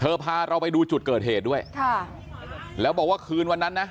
พาเราไปดูจุดเกิดเหตุด้วยค่ะแล้วบอกว่าคืนวันนั้นนะ